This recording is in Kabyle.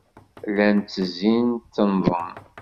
Llan ttezzin, ttennḍen.